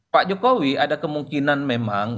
pak jokowi ada kemungkinan memang